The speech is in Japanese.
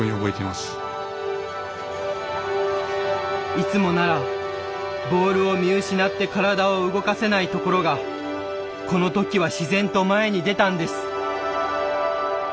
いつもならボールを見失って体を動かせないところがこの時は自然と前に出たんです。